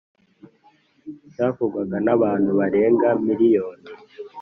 Cyavugwaga n’abantu barenga miriyoni